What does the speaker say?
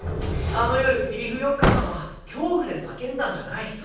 あの夜フィリフヨンカさんは恐怖で叫んだんじゃない。